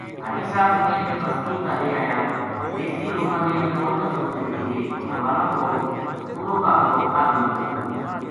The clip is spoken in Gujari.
حاجی صاحب سمیت بستی تا لے آیا دیسی لوکاں نے فوج نا خبر دِتی جے بکرالاں کو پورو قافلو پل ما ڈُب گیو